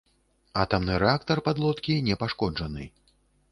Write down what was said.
Атамны рэактар падлодкі не пашкоджаны.